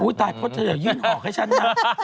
อุ๊ยตายเพราะเธอยืนหอกให้ฉันนะ